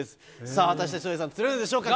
さあ、果たして照英さん、釣れるでしょうか。